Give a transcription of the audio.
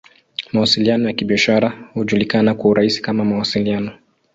Mawasiliano ya Kibiashara hujulikana kwa urahisi kama "Mawasiliano.